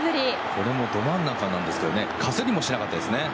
これもど真ん中なんですけどかすりもしなかったですね。